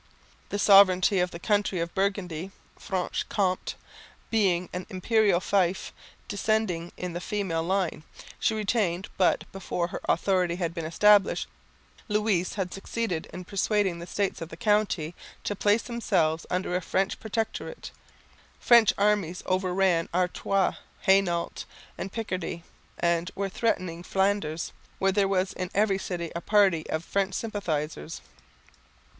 The sovereignty of the county of Burgundy (Franche Comté), being an imperial fief descending in the female line, she retained; but, before her authority had been established, Louis had succeeded in persuading the states of the county to place themselves under a French protectorate. French armies overran Artois, Hainault and Picardy, and were threatening Flanders, where there was in every city a party of French sympathisers.